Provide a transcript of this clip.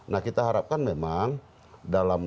nah kita harapkan memang dalam